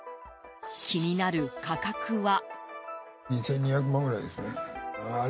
気になる価格は？